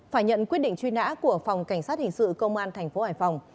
phải nhận quyết định truy nã của phòng cảnh sát hình sự công an tp hải phòng